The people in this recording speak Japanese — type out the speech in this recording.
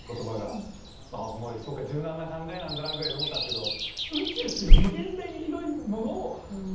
柔軟な考えなんだなぁぐらいに思ってたんすけど。